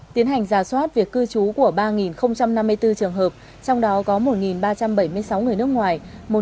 tiến hành giả soát việc cư trú của ba năm mươi bốn trường hợp trong đó có một ba trăm bảy mươi sáu người nước ngoài